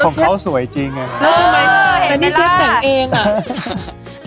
ของเขาสวยจริงอะอือเห็นไหมล่ะแต่นี่เชฟแต่งเองอะ